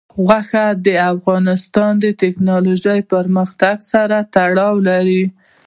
غوښې د افغانستان د تکنالوژۍ پرمختګ سره تړاو لري.